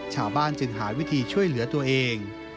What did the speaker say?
ชาวบ้านจึงหาวิธีช่วยเหลือตัวเอง